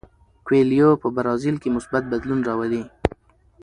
کویلیو په برازیل کې مثبت بدلون راولي.